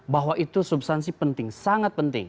bahwa itu substansi penting sangat penting